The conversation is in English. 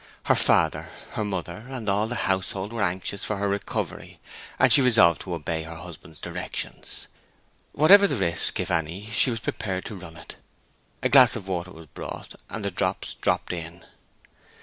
Her father, her mother, and all the household were anxious for her recovery, and she resolved to obey her husband's directions. Whatever the risk, if any, she was prepared to run it. A glass of water was brought, and the drops dropped in.